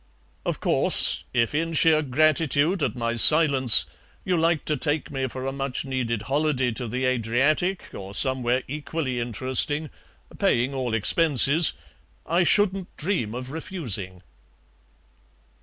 Of course, if in sheer gratitude at my silence you like to take me for a much needed holiday to the Adriatic or somewhere equally interesting, paying all expenses, I shouldn't dream of refusing."